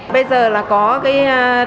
bây giờ là có cái